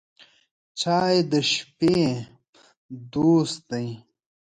چای د شپې دوست دی.